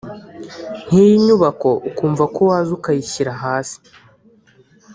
nk’iyi nyubako ukumva ko waza ukayishyira hasi